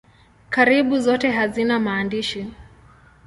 Karibu zote hazina maandishi.